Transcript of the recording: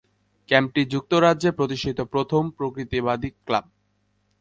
ক্যাম্পটি যুক্তরাজ্যে প্রতিষ্ঠিত প্রথম প্রকৃতিবাদী ক্লাব।